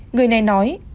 người này nói